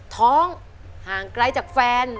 ท้องห่างไกลจากแฟน